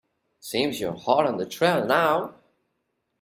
Seems you're hot on the trail now.